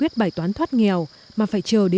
trị lợi nông thị lợi